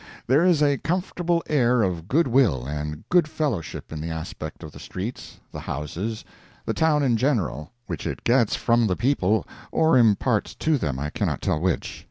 There is a comfortable air of good will and good fellowship in the aspect of the streets, the houses, the town in general, which it gets from the people, or imparts to them, I cannot tell which.